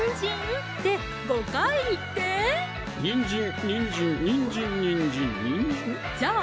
にんじん・にんじん・にんじん・にんじん・にんじんじゃあ